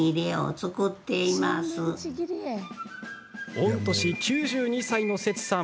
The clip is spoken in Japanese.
御年９２歳のセツさん。